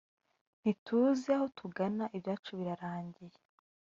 ntituzi aho tugana ibyacu birarangiye